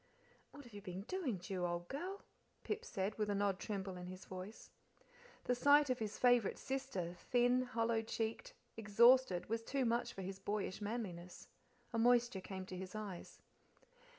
"What have you been doing, Ju, old girl?" Pip said, with an odd tremble in his voice. The sight of his favourite sister, thin, hollow checked, exhausted, was too much for his boyish manliness. A moisture came to his eyes.